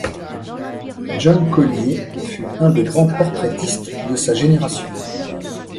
John Collier fut un des grands portraitistes de sa génération.